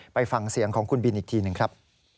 ไปฟังเสียงของคุณบินอีกทีหนึ่งครับ